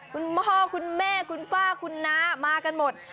คุณพ่อคุณแม่คุณป้าคุณน้ามากันหมด